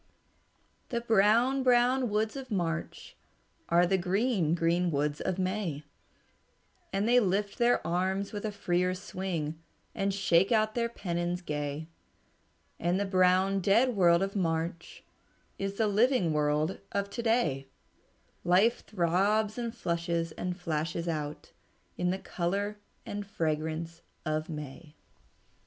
"The brown, brown woods of March Are the green, green woods of May, And they lift their arms with a freer swing And shake out their pennons gay. And the brown, dead world of March Is the living world of to day; Life throbs and flushes and flashes out In the color and fragrance of May."